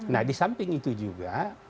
nah di samping itu juga